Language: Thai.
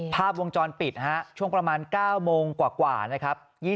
ภาพวงจรปิดช่วงประมาณ๙โมงกว่านะครับ